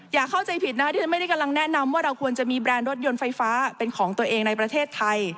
อย่าเข้าใจผิดนะที่ฉันไม่ได้กำลังแนะนำว่าเราควรจะมีแบรนด์รถยนต์ไฟฟ้าเป็นของตัวเองในประเทศไทย